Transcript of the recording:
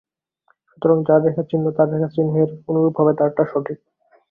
সুতরাং যার রেখা চিহ্ন তাঁর রেখা চিহ্নের অনুরূপ হবে তাঁরটা সঠিক।